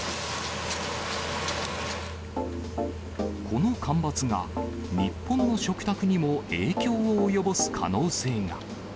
この干ばつが、日本の食卓にも影響を及ぼす可能性が。